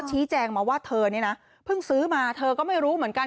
ชี้แจงมาว่าเธอเนี่ยนะเพิ่งซื้อมาเธอก็ไม่รู้เหมือนกัน